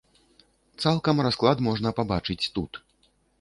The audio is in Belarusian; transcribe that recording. Цалкам расклад можна пабачыць тут.